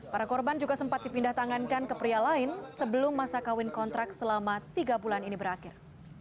para korban juga sempat dipindah tangankan ke pria lain sebelum masa kawin kontrak selama tiga bulan ini berakhir